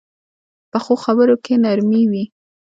پخو خبرو کې نرمي وي